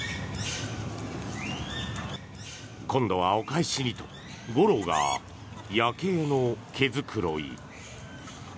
今度はお返しにとゴローがヤケイの毛繕い。